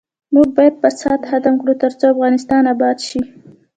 موږ باید فساد ختم کړو ، ترڅو افغانستان اباد شي.